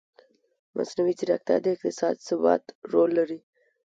مصنوعي ځیرکتیا د اقتصادي ثبات رول لري.